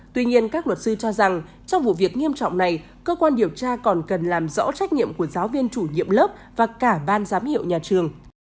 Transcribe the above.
tuy nhiên các luật sư cho rằng trong vụ việc nghiêm trọng này cơ quan điều tra còn cần làm rõ trách nhiệm của giáo viên chủ nhiệm lớp và cả ban giám hiệu nhà trường